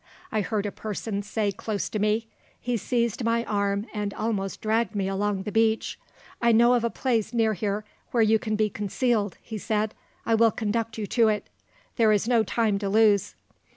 I heard a person say close to me. He seized my arm, and almost dragged me along the beach. `I know of a place near here where you can be concealed,' he said. `I will conduct you to it; there is no time to lose.'